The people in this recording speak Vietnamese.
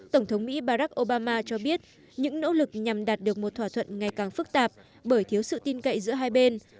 tổng thống mỹ barack obama cho biết những nỗ lực nhằm đạt được một thỏa thuận ngày càng phức tạp bởi thiếu sự tin cậy giữa hai bên